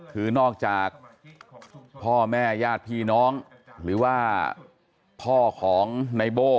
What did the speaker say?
คือนอกจากพ่อแม่ญาติพี่น้องหรือว่าพ่อของในโบ้